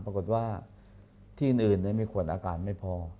ปรากฏว่าที่อื่นมีขวดอากาศไม่พอ